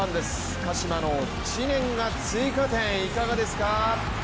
鹿島の知念が追加点、いかがですか